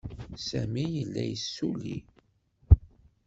Sami yella yessulli.